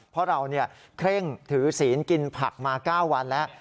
เพราะเราเคร่งถือศีลกินผักมา๙วันแล้ว